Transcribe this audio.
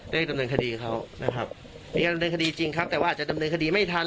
ดำเนินคดีเขานะครับมีการดำเนินคดีจริงครับแต่ว่าอาจจะดำเนินคดีไม่ทัน